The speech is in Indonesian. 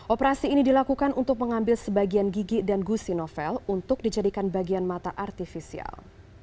operasi ini dilakukan untuk mengambil sebagian gigi dan gusi novel untuk dijadikan bagian mata artifisial